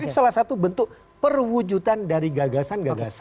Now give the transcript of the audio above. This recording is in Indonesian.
ini salah satu bentuk perwujudan dari gagasan gagasan